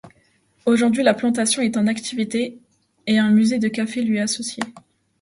Aujourd'hui, la plantation est en activité et un musée du café lui est associé.